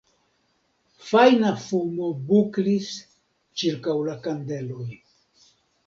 Fajna fumo buklis ĉirkaŭ la kandeloj.